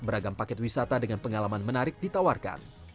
beragam paket wisata dengan pengalaman menarik ditawarkan